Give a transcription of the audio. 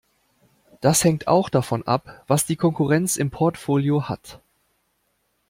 Das hängt auch davon ab, was die Konkurrenz im Portfolio hat.